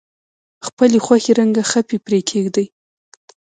خپلې خوښې رنګه خپې پرې کیږدئ.